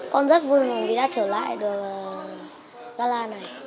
con rất vui mừng vì đã trở lại được gala này